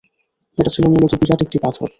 এটা ছিল মূলত বিরাট একটি পাথর।